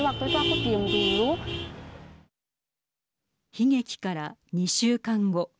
悲劇から２週間後。